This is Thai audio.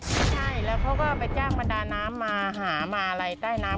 ใช่แล้วเขาก็ไปจ้างบรรดาน้ำมาหามาลัยใต้น้ำ